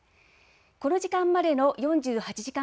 この時間までの４８時間